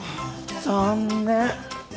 残念。